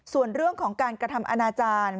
ส่วนเรื่องของการกระทำอนาจารย์